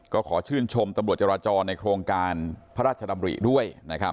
ก็ขอชื่นชมตำรวจจราจรในโครงการพระราชดำริด้วยนะครับ